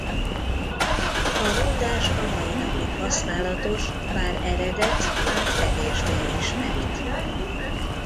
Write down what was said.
A mondás a mai napig használatos bár eredet már kevésbé ismert.